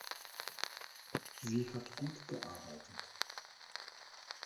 Sie hat gut gearbeitet.